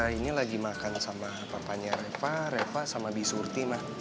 ini lagi makan sama papanya reva reva sama bisurti ma